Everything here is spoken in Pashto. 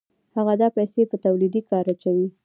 هغه دا پیسې په تولیدي کار اچوي